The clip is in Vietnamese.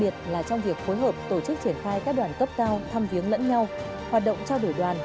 trong việc phối hợp tổ chức triển khai các đoàn cấp cao thăm viếng lẫn nhau hoạt động trao đổi đoàn